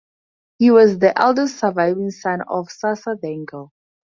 He was the eldest surviving son of Sarsa Dengel.